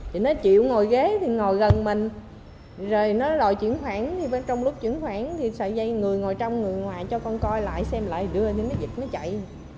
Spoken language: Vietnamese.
thì nó chịu ngồi ghế thì ngồi gần mình rồi nó rồi chuyển khoảng thì bên trong lúc chuyển khoảng thì sợi dây người ngồi trong người ngoài cho con coi lại xem lại đưa thì nó dịch nó chạy